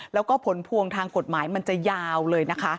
แล้วก็ผลพวงทางกฎหมายมันจะยาวเลยนะคะ